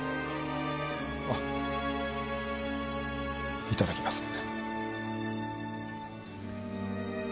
あいただきます。